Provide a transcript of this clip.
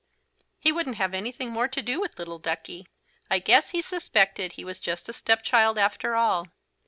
He wouldn't have anything more to do with little Duckie. I guess he suspected he was just a step child after all.